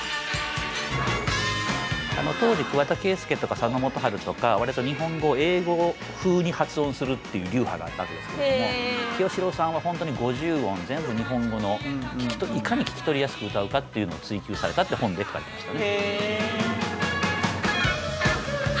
当時桑田佳祐とか佐野元春とかわりと日本語を英語風に発音するっていう流派があったわけですけれども清志郎さんはホントに五十音全部日本語のいかに聞き取りやすく歌うかっていうのを追求されたって本で書かれてましたね。